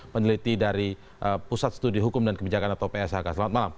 peneliti dari pusat studi hukum dan kebijakan atau pshk selamat malam